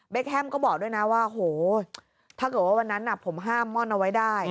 แฮมก็บอกด้วยนะว่าโหถ้าเกิดว่าวันนั้นผมห้ามม่อนเอาไว้ได้